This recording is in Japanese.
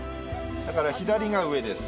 だから左が上です。